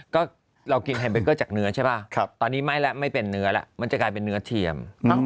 ก็เรากินไฮเบเกอร์จากเนื้อใช่ป่ะตอนนี้ไม่แล้วไม่เป็นเนื้อแล้วมันจะกลายเป็นเนื้อเทียม